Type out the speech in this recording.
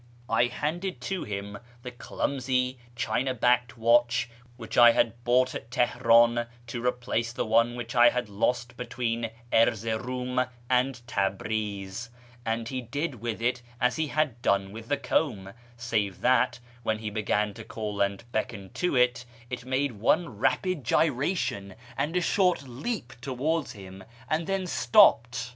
I handed to him the clumsy, china backed watch which I had bought at Tehenin to KIRMAN society 455 replace the one which I had lost between Erzeroum and Tabriz, and he did with it as he had done with the comb, save that, when he began to call and beckon to it, it made one rapid gyration and a short leap towards him, and then stopped.